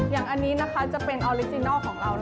อย่างอันนี้จะเป็นออริจินัลของเรา